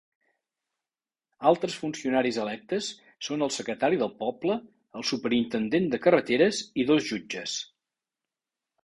Altres funcionaris electes són el secretari del poble, el superintendent de carreteres i dos jutges.